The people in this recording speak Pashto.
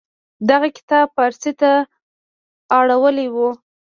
دغه کتاب پارسي ته اړولې و.